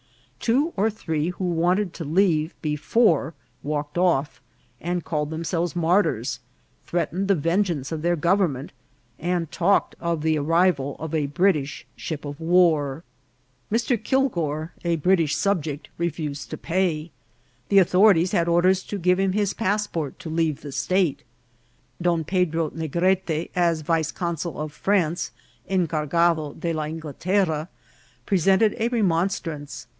Two or three who wanted to leave before walked off, and called themselves mar tyrs, threatened the vengeance of their government, and talked of the arrival of a British ship of war. Mr. VOL. II.— G 5 50 INCIDENTS OP TRAVEL. Kilgour, a British subject, refused to pay. The au thorities had orders to give him his passport to leave the state. Don Pedro Negrete, as vice consul of France, Encargado de la Ingelterra, presented a remonstrance.